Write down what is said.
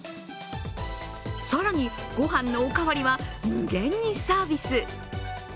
更に、ごはんのおかわりは無限にサービス。